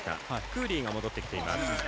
クーリーが戻ってきています。